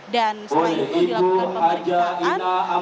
dan setelah itu dilakukan pemeriksaan